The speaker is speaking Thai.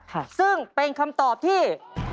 ค่ะซึ่งเป็นคำตอบที่